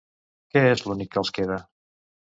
Què és l'únic que els queda?